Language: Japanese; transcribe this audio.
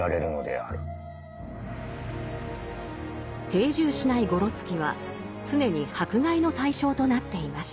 定住しないごろつきは常に迫害の対象となっていました。